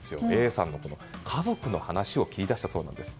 Ａさんの家族の話を切り出したそうなんです。